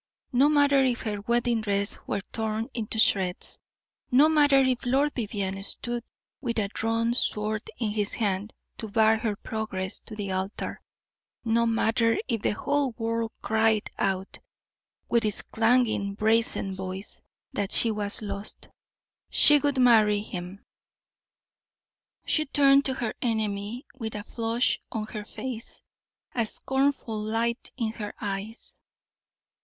No matter if her wedding dress were torn into shreds no matter if Lord Vivianne stood with a drawn sword in his hand to bar her progress to the altar no matter if the whole world cried out, with its clanging, brazen voice, that she was lost, she would marry him! She turned to her enemy, with a flush on her face, a scornful light in her eyes.